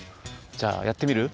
じゃあやってみる？